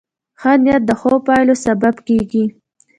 ښه نیت د ښو پایلو سبب کېږي.